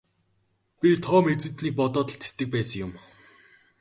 Би Том эзэнтнийг бодоод л тэсдэг байсан юм.